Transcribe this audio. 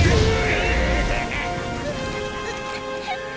うっ！